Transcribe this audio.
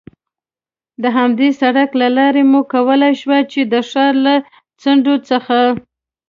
د همدې سړک له لارې مو کولای شوای، چې د ښار له څنډو څخه.